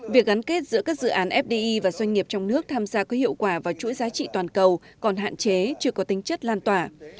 việc gắn kết giữa các dự án fdi và doanh nghiệp trong nước tham gia có hiệu quả vào chuỗi giá trị toàn cầu còn hạn chế chưa có tính chất lan tỏa